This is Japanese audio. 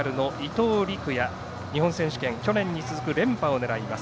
也日本選手権、去年に続く連覇を狙います。